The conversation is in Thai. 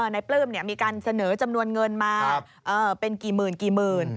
ปลื้มมีการเสนอจำนวนเงินมาเป็นกี่หมื่นกี่หมื่น